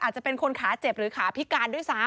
อาจจะเป็นคนขาเจ็บหรือขาพิการด้วยซ้ำ